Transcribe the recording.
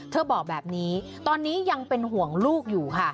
บอกแบบนี้ตอนนี้ยังเป็นห่วงลูกอยู่ค่ะ